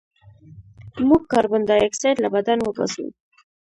موږ کاربن ډای اکسایډ له بدن وباسو